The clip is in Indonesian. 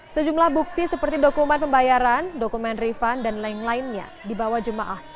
sejumlah bukti seperti dokumen pembayaran dokumen refund dan lain lainnya dibawa jemaah